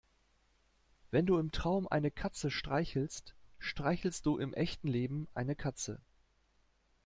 Wenn du im Traum eine Katze streichelst, streichelst du im echten Leben eine Katze.